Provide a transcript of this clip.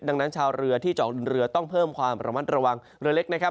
ดังนั้นชาวเรือที่เจาะเรือต้องเพิ่มความระมัดระวังเรือเล็กนะครับ